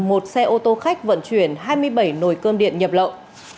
một xe ô tô khách vận chuyển hai mươi bảy nồi cơm điện nhập lậu